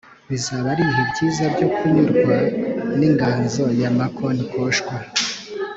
Bizaba ari ibihe byiza byo kunyurwa n’inganzo ya Mako Nikoshwa